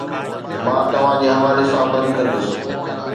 مان توهان جي حوالي سان بند ڪندس